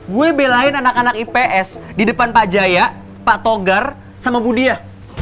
gue belain anak anak ips di depan pak jaya pak togar sama bu diah